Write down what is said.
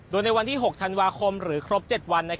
โดยในวันที่๖ธันวาคมหรือครบ๗วัน